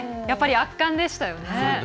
やっぱり圧巻でしたよね。